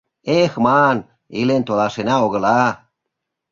Эх, ман, илен толашена-огыла.